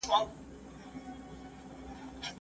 ایا په دې تیاره کې څوک شته؟